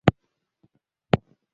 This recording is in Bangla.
তোমাদের জন্য দাঁড়িয়ে ছিলাম।